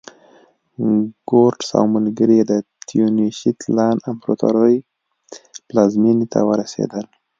کورټز او ملګري یې د تینوشیت لان امپراتورۍ پلازمېنې ته ورسېدل.